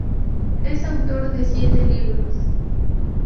Es autor de siete libros.